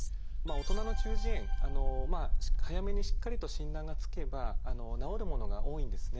大人の中耳炎早めにしっかりと診断がつけば治るものが多いんですね。